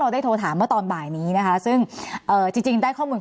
ได้โทรถามเมื่อตอนบ่ายนี้นะคะซึ่งเอ่อจริงได้ข้อมูล